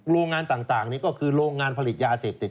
โรงงานต่างนี่ก็คือโรงงานผลิตยาเสพติด